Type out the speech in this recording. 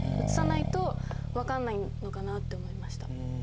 移さないと分かんないのかなって思いました。